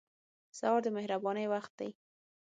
سهار د مهربانۍ وخت دی.